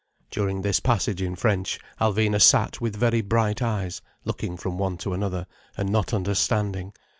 During this passage in French Alvina sat with very bright eyes looking from one to another, and not understanding.